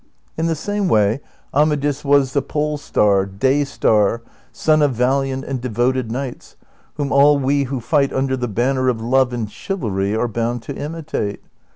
In the same way Amadis was the pole star, day star, sun of valiant and devoted knights, whom all we who fight under the banner of love and chivalry are bound to imitate.